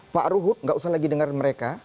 pak ruhut nggak usah lagi dengar mereka